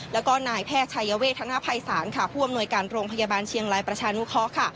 แล้วก็นายแพทย์ชายเวทธนภัยศาลค่ะผู้อำนวยการโรงพยาบาลเชียงรายประชานุเคราะห์ค่ะ